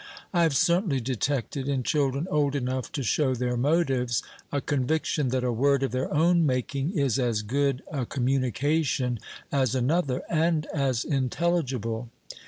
I have certainly detected, in children old enough to show their motives, a conviction that a word of their own making is as good a communication as another, and as intelligible.